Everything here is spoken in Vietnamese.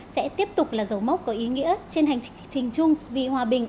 sẽ tiếp tục là dấu mốc có ý nghĩa trên hành trình trình chung vì hòa bình